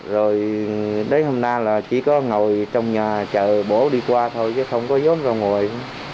rồi đến hôm nay là chỉ có ngồi trong nhà chờ bố đi qua thôi chứ không có giống ra ngồi